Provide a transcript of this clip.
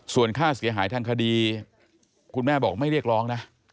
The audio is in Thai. ส่วนค่าเสียหายทางคดีคุณแม่บอกไม่เรียกร้องนะ